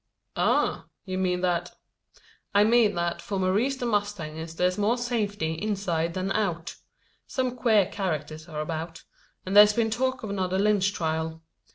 "Ah! you mean, that " "I mean that for Maurice the Mustanger there's more safety inside than out. Some queer characters are about; and there's been talk of another Lynch trial.